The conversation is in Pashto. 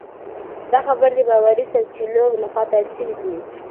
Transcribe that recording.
دا خبر د باوري سرچینو لخوا تایید شوی دی.